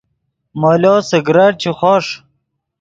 مولو سگریٹ چے خوݰ